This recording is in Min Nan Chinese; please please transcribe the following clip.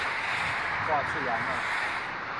掛喙掩仔